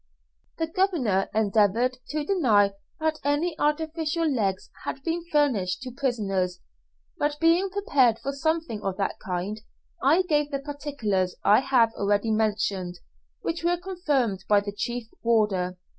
The governor endeavoured to deny that any artificial legs had been furnished to prisoners; but being prepared for something of that kind, I gave the particulars I have already mentioned, which were confirmed by the chief warder.